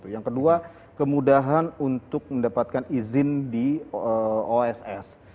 yang kedua kemudahan untuk mendapatkan izin di oss